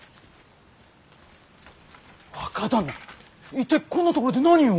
一体こんな所で何を？